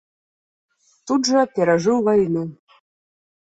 Тут жа перажыў вайну.